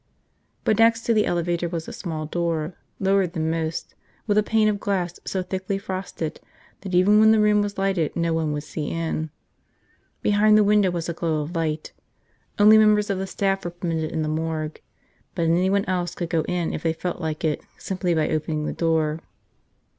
But next to the elevator was a small door, lower than most, with a pane of glass so thickly frosted that even when the room was lighted no one would see in. Behind the window was a glow of light. Only members of the staff were permitted in the morgue. But anyone else could go in if they felt like it, simply by opening the door.